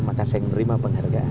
maka saya menerima penghargaan